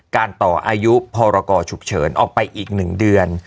การต่ออายุพรศชุดเชิญออกไปอีก๑เดือน